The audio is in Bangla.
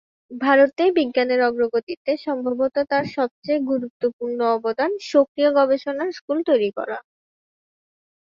ভারতে বিজ্ঞানের অগ্রগতিতে সম্ভবত তার সবচেয়ে গুরুত্বপূর্ণ অবদান সক্রিয় গবেষণার স্কুল তৈরি করা।